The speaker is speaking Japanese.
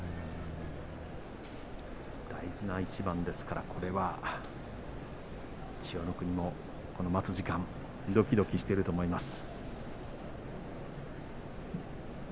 大事な一番ですからこれは千代の国もこの待つ時間どきどきしていると思います。